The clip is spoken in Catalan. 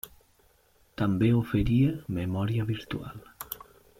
També oferia memòria virtual.